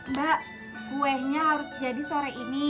mbak kuenya harus jadi sore ini